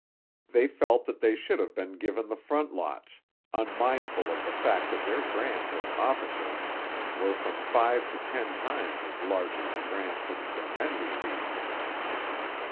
They felt that they should have been given the front lots, unmindful of the fact that their grants as officers were from five to ten times as large as the grants which their men received.